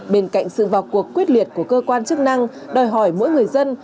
bên cạnh sự vào cuộc quyết liệt của cơ quan chức năng đòi hỏi mỗi người dân